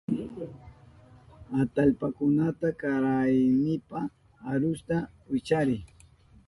Atallpakunata karanaynipa arusta wichani.